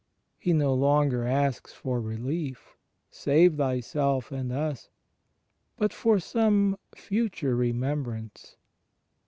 He no longer asks for relief — "save Thyself and us"; but for some futiire remembrance.